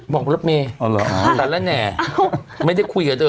บอกรถเมย์ตัดแล้วแน่ไม่ได้คุยกับเธอ